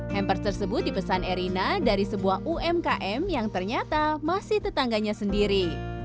hampers tersebut dipesan erina dari sebuah umkm yang ternyata masih tetangganya sendiri